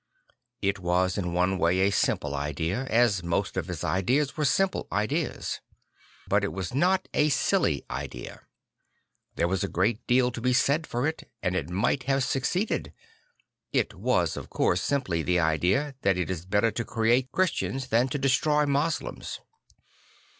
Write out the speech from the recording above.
It was in one way a simple idea, as most of his ideas were simple ideas. But it was not a silly idea; there was a great deal to be said for it and it might have succeeded. It ,vas, of course, simply the idea that it is better to create Christians than to destroy Moslems.